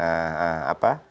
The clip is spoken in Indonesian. dan pendidikan juga